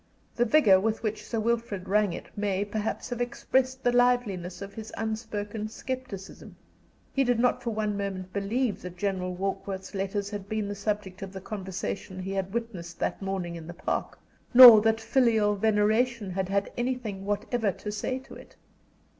The vigor with which Sir Wilfrid rang it may, perhaps, have expressed the liveliness of his unspoken scepticism. He did not for one moment believe that General Warkworth's letters had been the subject of the conversation he had witnessed that morning in the Park, nor that filial veneration had had anything whatever to say to it.